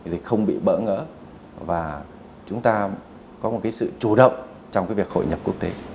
thì không bị bỡ ngỡ và chúng ta có sự chủ động trong việc hội nhập quốc tế